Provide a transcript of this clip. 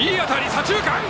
左中間！